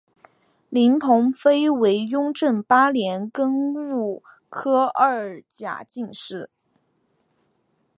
林鹏飞为雍正八年庚戌科二甲进士。